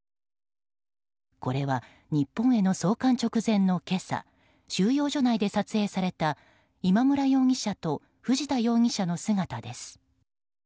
これは、日本への送還直前の今朝収容所内で撮影された今村容疑者と藤田容疑者の姿です。